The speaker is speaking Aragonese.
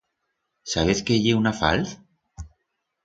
Sabez qué ye una falz?